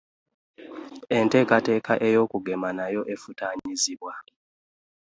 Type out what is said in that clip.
Entekateka ey'okugema nayo efootanyizibwa.